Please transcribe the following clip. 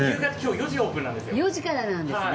４時からなんですね。